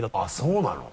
そうなの？